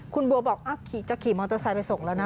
คุณบัวบอกจะขี่มอเตอร์ไซค์ไปส่งแล้วนะ